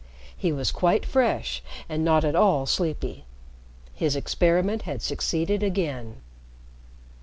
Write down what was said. He was quite fresh and not at all sleepy. His experiment had succeeded again.